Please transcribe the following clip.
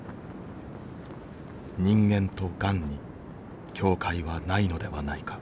人間とがんに境界はないのではないか。